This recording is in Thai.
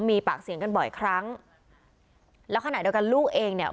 มีปากเสียงกันบ่อยครั้งแล้วขณะเดียวกันลูกเองเนี่ย